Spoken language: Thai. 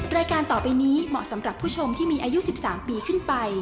รายการต่อไปนี้เหมาะสำหรับผู้ชมที่มีอายุ๑๓ปีขึ้นไป